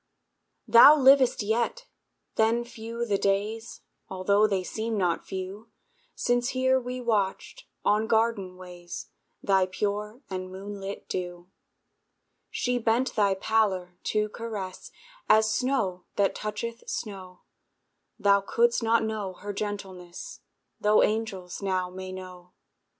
Thou livest yet! Then few the days, Altho' they seem not few, Since here we watched, on garden ways, Thy pure and moonlit dew. She bent thy pallor to caress, As snow that toucheth snow; Thou couldst not know her gentleness, Tho' angels now may know.